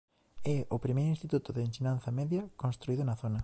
É o primeiro instituto de ensinanza media construído na zona.